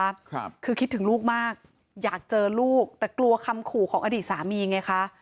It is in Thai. ครับคือคิดถึงลูกมากอยากเจอลูกแต่กลัวคำขู่ของอดีตสามีไงคะ